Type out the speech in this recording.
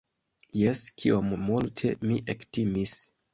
Jes, kiom multe mi ektimis!